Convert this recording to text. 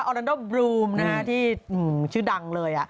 ลันโดบลูมที่ชื่อดังเลย